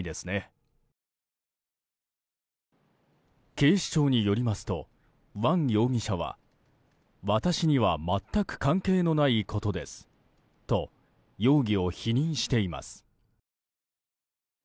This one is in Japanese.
警視庁によりますとワン容疑者は私には全く関係のないことですと容疑を否認しています。